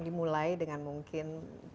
dimulai dengan mungkin